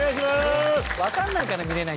柴田：わかんないから見れない。